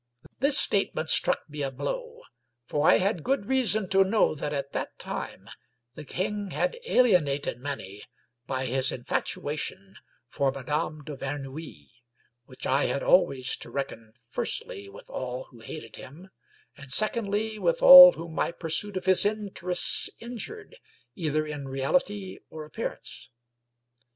This statement struck me a blow; for I had good reason 144 Stanley J. fVeymcm to know that at that time the king had alienated many by his infatuation for Madame de Verneuil; while I had always to reckon firstly with all who hated him, and secondly with, all whom my pursuit of his interests injured, either in reality or appearance.